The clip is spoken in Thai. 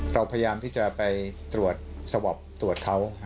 เราพยายามที่จะไปตรวจสวอปตรวจเขา